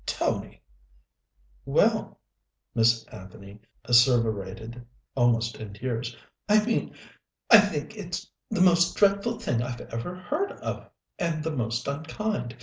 "Tony!" "Well," Miss Anthony asseverated, almost in tears, "I mean it. I think it's the most dreadful thing I've ever heard of, and the most unkind.